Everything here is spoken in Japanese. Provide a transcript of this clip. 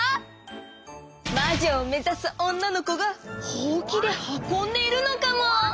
魔女を目ざす女の子がほうきで運んでいるのかも！